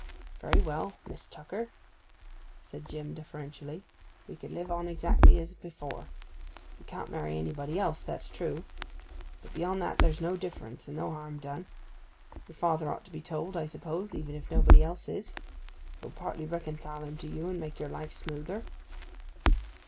'Very well, Miss Tucker,' said Jim deferentially. 'We can live on exactly as before. We can't marry anybody else, that's true; but beyond that there's no difference, and no harm done. Your father ought to be told, I suppose, even if nobody else is? It will partly reconcile him to you, and make your life smoother.